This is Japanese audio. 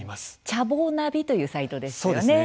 チャボナビというサイトですよね？